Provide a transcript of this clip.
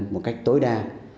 một cách tối đa